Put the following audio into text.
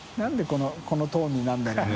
このこのトーンになるんだろうね。